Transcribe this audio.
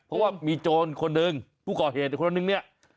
เพราะว่ามีโจรคนหนึ่งผู้ก่อเหตุอีกคนนึงเนี่ย